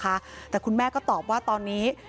คุณพ่อเสียชีวิตด้วยสาเหตุอะไร